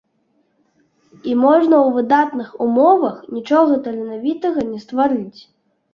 І можна ў выдатных умовах нічога таленавітага не стварыць.